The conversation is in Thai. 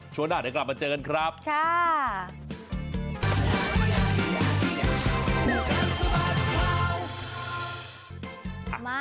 ช่วงหน้าเดี๋ยวกลับมาเจอกันครับค่ะ